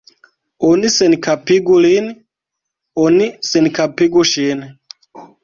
Oni senkapigu lin, oni senkapigu ŝin!